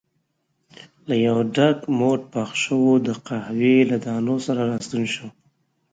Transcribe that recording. له یو ډک موټ پخ شوو د قهوې له دانو سره راستون شو.